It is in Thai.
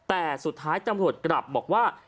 แต่สุดท้ายจังหัวครองกลับบอกว่า